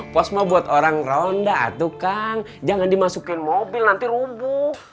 pos mah buat orang ronda tukang jangan dimasukin mobil nanti rumbu